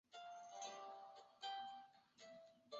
伊斯兰书法也是中国与伊斯兰世界沟通的一个重要纽带。